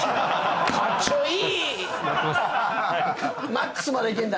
マックスまでいけんだ。